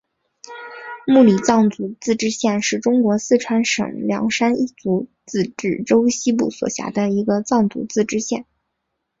木里藏族自治县是中国四川省凉山彝族自治州西部所辖的一个藏族自治县。